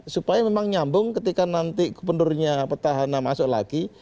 supaya memang nyambung ketika nanti gubernurnya petahana masuk lagi